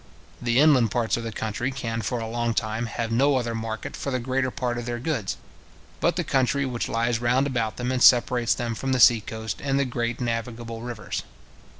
The inland parts of the country can for a long time have no other market for the greater part of their goods, but the country which lies round about them, and separates them from the sea coast, and the great navigable rivers.